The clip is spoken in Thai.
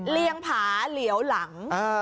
เรียงผาเหลวหลัง